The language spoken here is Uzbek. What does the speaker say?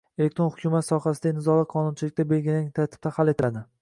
Elektron hukumat sohasidagi nizolar qonunchilikda belgilangan tartibda hal etiladi.